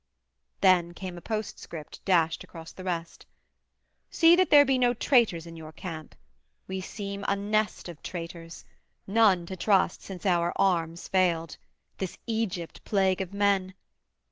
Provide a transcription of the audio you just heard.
Then came a postscript dashed across the rest. 'See that there be no traitors in your camp: We seem a nest of traitors none to trust Since our arms failed this Egypt plague of men!